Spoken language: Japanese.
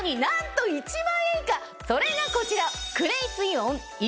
それがこちら。